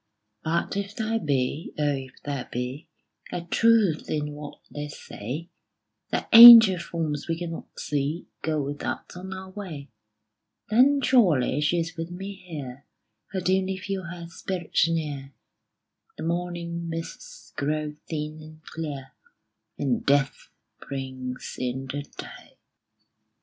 But if there be O if there be A truth in what they say, That angel forms we cannot see Go with us on our way; Then surely she is with me here, I dimly feel her spirit near The morning mists grow thin and clear, And Death brings in the Day.